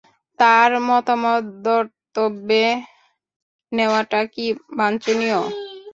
তার মতামত ধর্তব্যে নেওয়াটা কি বাঞ্ছনীয়?